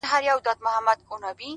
چي ښکلي سترګي ستا وویني;